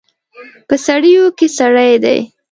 په سړیو کې سړي دي